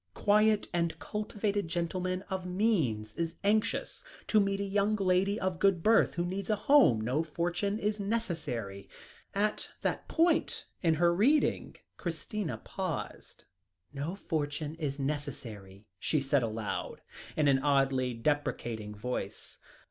"Quiet and cultivated gentleman of means is anxious to meet a young lady of good birth, who needs a home. No fortune is necessary." At that point in her reading, Christina paused. "No fortune is necessary," she said aloud, in an oddly deprecating voice.